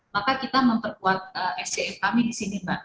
maka kita memperkuat sdm kami di sini mbak